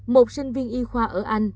một sinh viên y khoa ở anh